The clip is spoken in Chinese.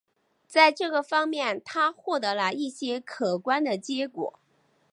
在这个方面他获得了一些可观的结果。